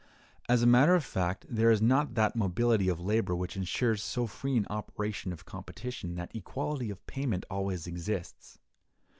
As a matter of fact, there is not that mobility of labor which insures so free an operation of competition that equality of payment always exists.